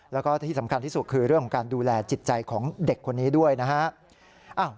แล้วก็ที่สำคัญที่สุดคือเรื่องของการดูแลจิตใจของเด็กคนนี้ด้วยนะฮะ